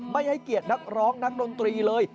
ไม่ให้เกียรตินักร้องนักดนตรีเลย